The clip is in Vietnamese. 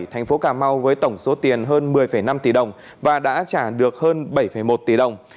thành phố cà mau với tổng số tiền hơn một mươi năm tỷ đồng và đã trả được hơn bảy một tỷ đồng